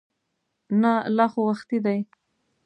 نه لا خو وختي دی.